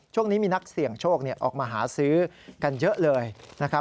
ช่วงนี้มีนักเสี่ยงโชคออกมาหาซื้อกันเยอะเลยนะครับ